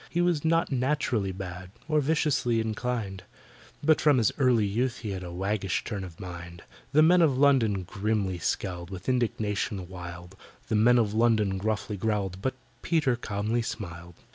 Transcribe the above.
He was not naturally bad, Or viciously inclined, But from his early youth he had A waggish turn of mind. The Men of London grimly scowled With indignation wild; The Men of London gruffly growled, But PETER calmly smiled.